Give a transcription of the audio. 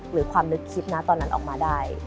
หรือความนึกคิดนะตอนนั้นออกมาได้